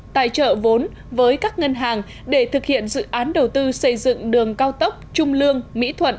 tài trợ vốn với các ngân hàng để thực hiện dự án đầu tư xây dựng đường cao tốc trung lương mỹ thuận